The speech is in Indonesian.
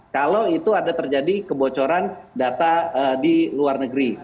kalau itu ada terjadi kebocoran data di luar negeri